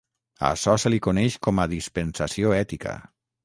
A açò se li coneix com a dispensació ètica.